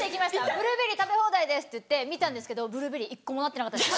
ブルーベリー食べ放題ですっていって見たんですけどブルーベリー１個もなってなかったです。